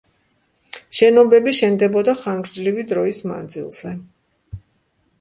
შენობები შენდებოდა ხანგრძლივი დროის მანძილზე.